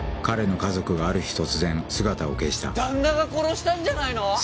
彼の家族がある日突然姿を消した旦那が殺したんじゃないの？